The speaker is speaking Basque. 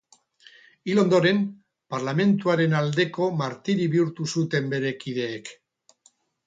Hil ondoren, Parlamentuaren aldeko martiri bihurtu zuten bere kideek.